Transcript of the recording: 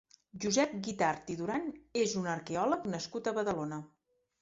Josep Guitart i Duran és un arqueòleg nascut a Badalona.